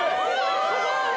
・・すごい！